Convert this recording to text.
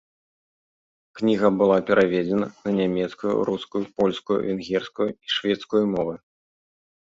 Кніга была пераведзена на нямецкую, рускую, польскую, венгерскую і шведскую мовы.